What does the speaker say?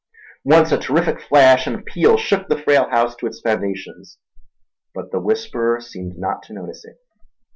Once a terrific flash and peal shook the frail house to its foundations, but the whisperer seemed not to notice it.